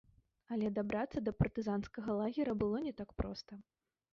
Але дабрацца да партызанскага лагера было не так проста.